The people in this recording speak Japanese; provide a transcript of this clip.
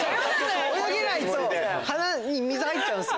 泳げないと鼻に水入っちゃうんですよ。